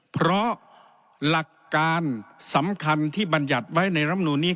เพราะหลักการสำคัญที่บรรยัติไว้ในรำนูนนี้